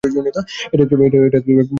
এটা একটি প্রয়োজনীয়তা।